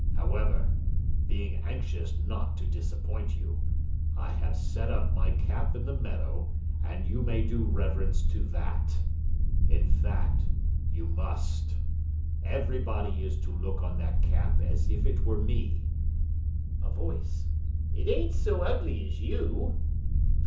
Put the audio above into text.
However, being anxious not to disappoint you, I have set up my cap in the meadow, and you may do reverence to that. In fact, you must. Everybody is to look on that cap as if it were me. (A voice: 'It ain't so ugly as you!')